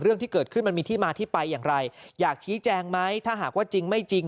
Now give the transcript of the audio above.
เรื่องที่เกิดขึ้นมันมีที่มาที่ไปอย่างไรอยากชี้แจงไหมถ้าหากว่าจริงไม่จริง